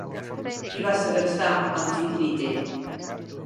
Qui va segrestar Amfitrite?